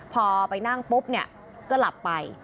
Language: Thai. พอไปนั่งปุ๊บเนี่ยก็หลับไป